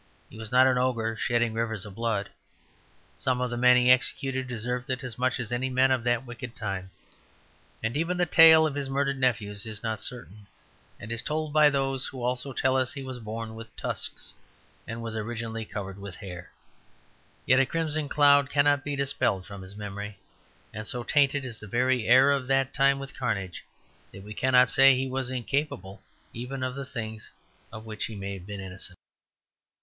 He was not an ogre shedding rivers of blood; some of the men he executed deserved it as much as any men of that wicked time; and even the tale of his murdered nephews is not certain, and is told by those who also tell us he was born with tusks and was originally covered with hair. Yet a crimson cloud cannot be dispelled from his memory, and, so tainted is the very air of that time with carnage, that we cannot say he was incapable even of the things of which he may have been innocent.